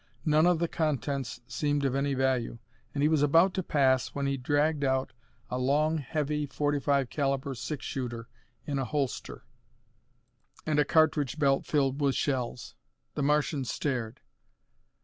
None of the contents seemed of any value, and he was about to pass when he dragged out a long, heavy, .45 caliber six shooter in a holster, and a cartridge belt filled with shells. The Martian stared.